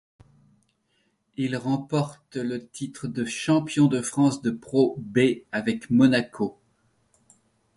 Il remporte le titre de champion de France de Pro B avec Monaco.